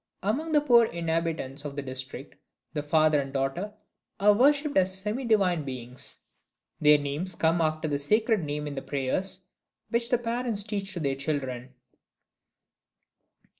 Among the poor inhabitants of the district, the father and daughter are worshiped as semi divine beings. Their names come after the Sacred Name in the prayers which the parents teach to their children.